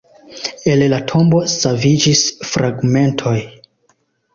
El la Tombo saviĝis fragmentoj.